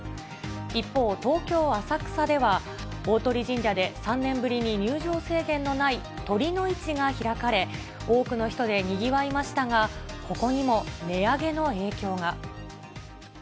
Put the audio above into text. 一方、東京・浅草では、鷲神社で３年ぶりに入場制限のない酉の市が開かれ、多くの人でにぎわいましたが、ここにも値上げの影響が。